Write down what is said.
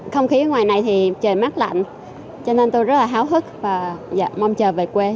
không khí ngoài này thì trời mát lạnh cho nên tôi rất là háo hức và mong chờ về quê